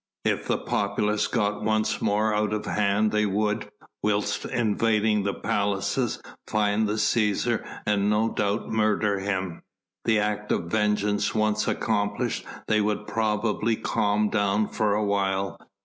If the populace got once more out of hand they would, whilst invading the palaces, find the Cæsar and no doubt murder him. That act of vengeance once accomplished they would probably calm down for a while.